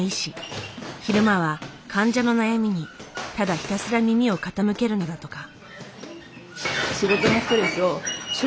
昼間は患者の悩みにただひたすら耳を傾けるのだとか。